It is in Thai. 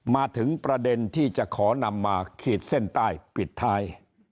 มาถึงประเด็นที่จะขอนำมาขีดเส้นใต้ปิดท้าย